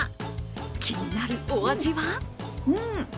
気になるお味は？